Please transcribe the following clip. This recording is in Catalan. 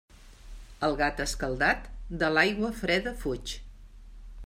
El gat escaldat, de l'aigua freda fuig.